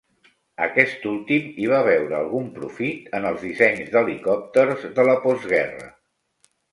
Aquest últim hi va veure algun profit en els dissenys d'helicòpters de la postguerra.